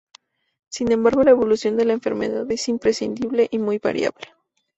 Sin embargo la evolución de la enfermedad es impredecible y muy variable.